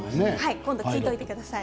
今度、聞いておいてください。